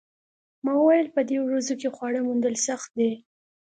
ما وویل په دې ورځو کې خواړه موندل سخت دي